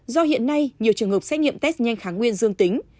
do hiện nay nhiều trường hợp xét nghiệm test nhanh kháng nguyên dương tính